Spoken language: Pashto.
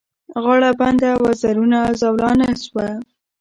غاړه بنده وزرونه زولانه سوه